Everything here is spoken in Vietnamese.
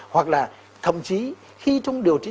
hoặc là thậm chí khi trong điều trị